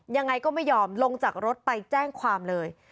ยังไงก็ไม่ยอมลงจากรถไปแจ้งความเลย